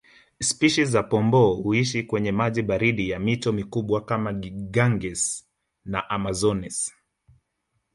Spishi za Pomboo huishi kwenye maji baridi ya mito mikubwa kama Ganges na Amazones